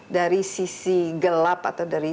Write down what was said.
dari sisi gelap atau dari